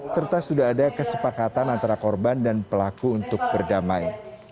serta sudah ada kesepakatan antara korban dan pelaku untuk berdamai